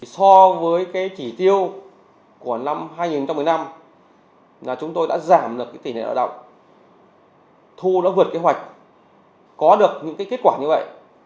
so với chỉ tiêu của năm hai nghìn một mươi năm là chúng tôi đã giảm được tỷ lệ nợ động thu nó vượt kế hoạch có được những kết quả như vậy